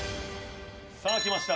さあきました。